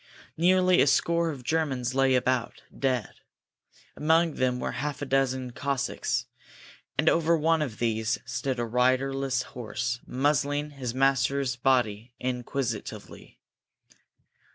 Nearly a score of Germans lay about, dead. Among them were half a dozen Cossacks, and over one of these stood a riderless horse, muzzling his master's body inquisitively.